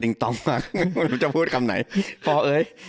ดิงต้อมมากไม่รู้จะพูดคำไหนพอเอ๊ย